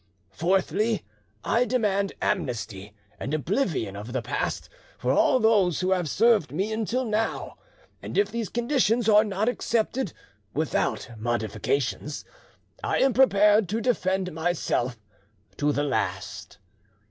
Fourthly, I demand amnesty and oblivion of the past for all those who have served me until now. And if these conditions are not accepted without modifications, I am prepared to defend myself to the last.